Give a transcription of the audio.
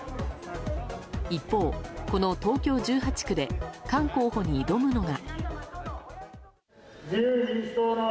一方、この東京１８区で菅候補に挑むのが。